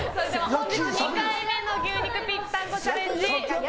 本日２回目の牛肉ぴったんこチャレンジ